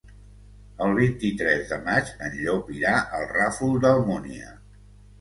El vint-i-tres de maig en Llop irà al Ràfol d'Almúnia.